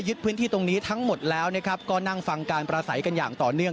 พื้นที่ตรงนี้ทั้งหมดแล้วนะครับก็นั่งฟังการประสัยกันอย่างต่อเนื่อง